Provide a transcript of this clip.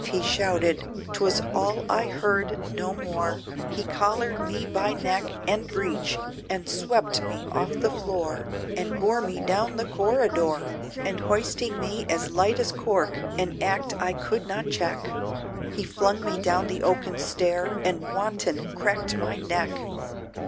He shouted, 'Twas all I heard, no more, He collared me by neck, and breech, and swept me off the floor, And bore me down the corridor, And hoisting me as light as cork, an act I could not check, He flung me down the oaken stair, and wanton cracked my neck!